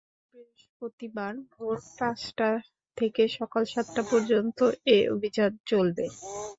আজ বৃহস্পতিবার ভোর পাঁচটা থেকে সকাল সাতটা পর্যন্ত এ অভিযান চলে।